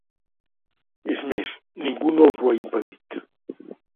És més, ningú no els ho ha impedit.